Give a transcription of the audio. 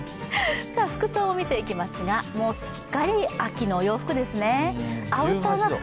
服装を見ていきますが、もうすっかり秋の洋服ですね。